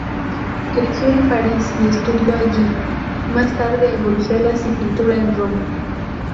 Creció en París y estudió allí, más tarde en Bruselas y pintura en Roma.